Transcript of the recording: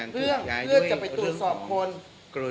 แต่เจ้าตัวก็ไม่ได้รับในส่วนนั้นหรอกนะครับ